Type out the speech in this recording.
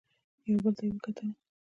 يو بل ته يې وکتل.